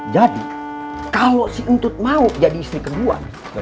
jadi kalau si untut mau jadi istri kedua